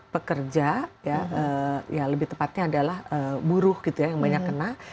pekerja ya lebih tepatnya adalah buruh gitu ya yang banyak kena